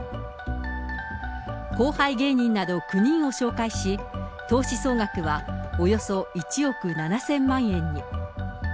後輩芸人など９人を紹介し、投資総額はおよそ１億７０００万円に。